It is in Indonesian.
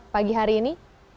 pagi hari ini